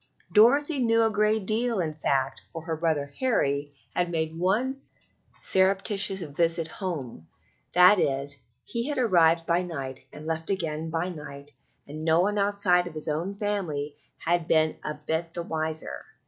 Dorothy knew a great deal, in fact, for her brother Harry had made one surreptitious visit home; that is, he had arrived by night and left again by night, and no one outside of his own family had been a bit the wiser.